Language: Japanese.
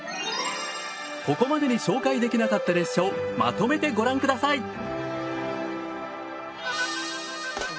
ここまでに紹介できなかった列車をまとめてご覧下さい！